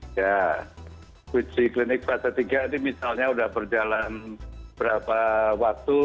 ya uji klinik fase tiga ini misalnya sudah berjalan berapa waktu